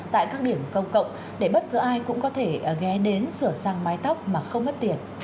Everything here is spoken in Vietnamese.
tại các điểm công cộng để bất cứ ai cũng có thể ghé đến sửa sang mái tóc mà không mất tiền